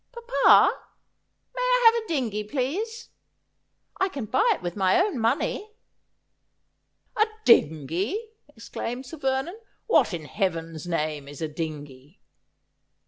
' Papa, may 1 have a dingey, please ? I can buy it with my own money.' 'A dingey!' exclaimed Sir Vernon. 'What in Heaven's name is a dingey